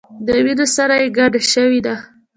د وینو سره یې ګډه شوې ده.